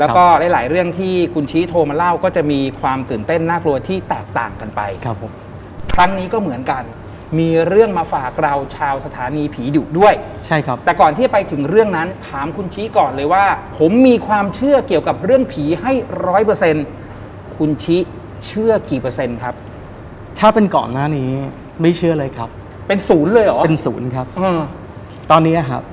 แล้วก็หลายหลายเรื่องที่คุณชี้โทรมาเล่าก็จะมีความตื่นเต้นน่ากลัวที่แตกต่างกันไปครับผมครั้งนี้ก็เหมือนกันมีเรื่องมาฝากเราชาวสถานีผีดุด้วยใช่ครับแต่ก่อนที่จะไปถึงเรื่องนั้นถามคุณชี้ก่อนเลยว่าผมมีความเชื่อเกี่ยวกับเรื่องผีให้ร้อยเปอร์เซ็นต์คุณชี้เชื่อกี่เปอร์เซ็นต์ครับถ้าเป็นก่อนหน้านี้ไม่เชื่อเลยครับเป็นศูนย์เลยเหรอเป็นศูนย์ครับตอนนี้ครับ